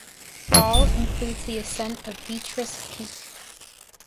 Ball includes the ascent of Beatrice Peak.